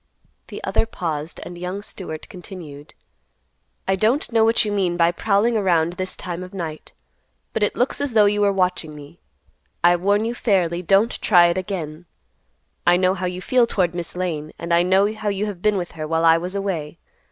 The other paused, and young Stewart continued; "I don't know what you mean by prowling around this time of night. But it looks as though you were watching me. I warn you fairly, don't try it again. I know how you feel toward Miss Lane, and I know how you have been with her while I was away.